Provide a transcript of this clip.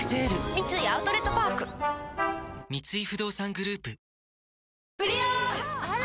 三井アウトレットパーク三井不動産グループあら！